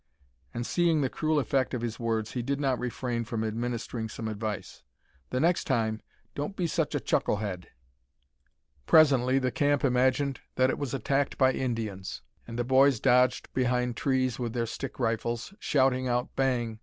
And seeing the cruel effect of his words, he did not refrain from administering some advice: "The next time, don't be such a chuckle head." Presently the camp imagined that it was attacked by Indians, and the boys dodged behind trees with their stick rifles, shouting out, "Bang!"